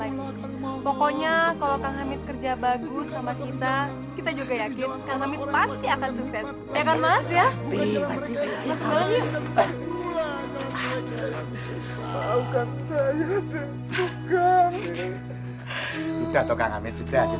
lain pokoknya kalau kak hamid kerja bagus sama kita kita juga yakin kak hamid